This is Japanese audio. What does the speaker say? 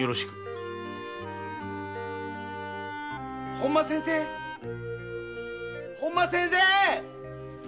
本間先生本間先生！